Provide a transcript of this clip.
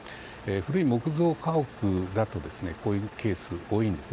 古い木造家屋だとこういうケースが多いです。